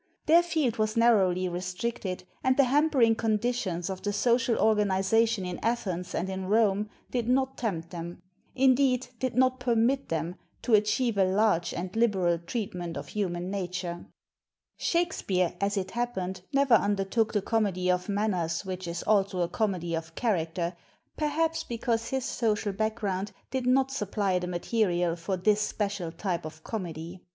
Their held was narrowly ted and the hampering conditions of the or: :i in Athens and in Rome did THE MODERNITY OF MOLIERE not tempt them indeed, did not permit them to achieve a large and liberal treatment of human nature. Shakspere, as it happened, never undertook the comedy of manners which is also a comedy of character, perhaps because his social background did not supply the mate rial for this special type of comedy.